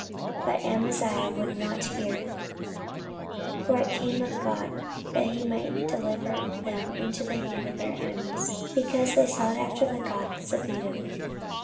14:025:020 But Amaziah would not hear; for it came of God, that he might deliver them into the hand of their enemies, because they sought after the gods of Edom.